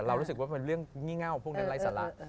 เรารู้สึกว่ามันเป็นเรื่องเงี้ยเง่าพวกนั้นไร้สละ